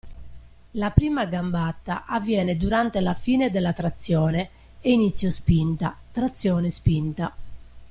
La prima gambata avviene durante la fine della trazione ed inizio spinta (trazione-spinta).